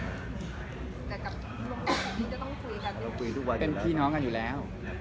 เป็นพี่น้องกันอยู่แล้ว